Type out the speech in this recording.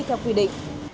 theo quy định